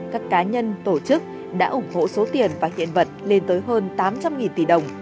các cá nhân tổ chức đã ủng hộ số tiền và kiện vật lên tới hơn tám trăm linh tỷ đồng